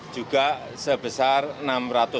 juga sebesar rp enam ratus